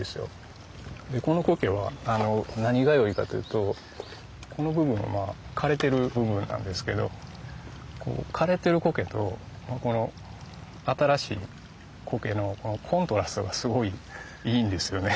このコケは何がよいかというとこの部分は枯れてる部分なんですけど枯れてるコケとこの新しいコケのコントラストがすごいいいんですよね。